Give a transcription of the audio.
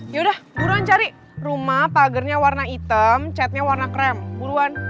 yaudah buruan cari rumah tagernya warna hitam catnya warna krem buruan